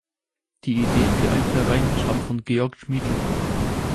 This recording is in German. Die Idee für einen Verein stammt von Georg Schmiedl.